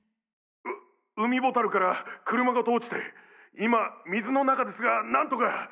う海ボタルから車ごと落ちて今水の中ですが何とか。